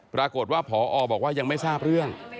ปรากฏว่าพอบอกว่ายังไม่ทราบเรื่อง